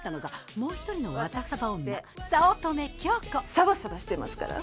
サバサバしてますから！